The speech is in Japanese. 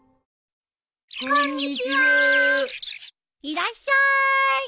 いらっしゃい。